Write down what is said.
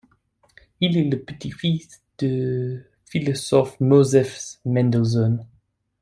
Il est le petit-fils du philosophe Moses Mendelssohn.